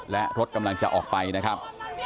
และรถกำลังจะออกไปนะครับ